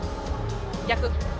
逆。